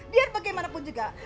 lihat bagaimanapun juga